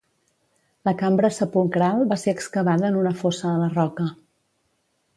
La cambra sepulcral va ser excavada en una fossa a la roca.